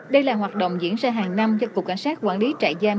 đây là hoạt động diễn ra hàng năm do cục cảnh sát quản lý trại giam